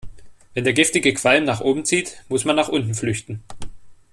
Wenn der giftige Qualm nach oben zieht, muss man nach unten flüchten.